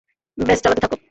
ব্যস, চালাতে থাক।